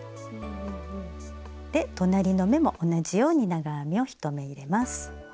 で隣の目も同じように長編みを１目入れます。